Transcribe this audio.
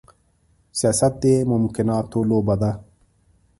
سياست د ممکناتو لوبه ده.